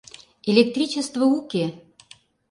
Электричество уке!